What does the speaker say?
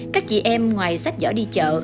các chị em ngoài sách vỏ đi chợ